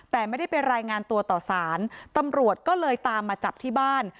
แต่ไม่ได้ไปรายงานตัวต่อสารตำรวจก็เลยตามมาจับที่บ้าน